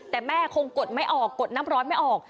แต่แม่คงกดไม่ออกกดน้ำร้อนไม่ออก